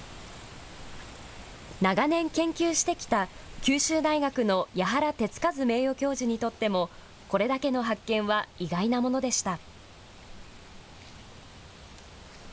長年研究してきた九州大学の矢原徹一名誉教授にとっても、これだけの発見は意外なものでした。